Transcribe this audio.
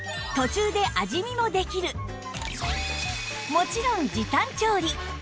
もちろん時短調理